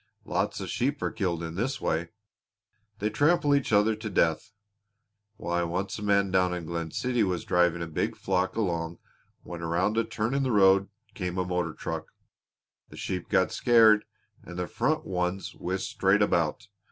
Lots of sheep are killed in this way. They trample each other to death. Why, once a man down in Glen City was driving a big flock along when around a turn in the road came a motor truck. The sheep got scared and the front ones whisked straight about.